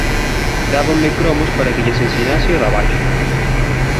dábanme cromos para que lles ensinase o de abaixo.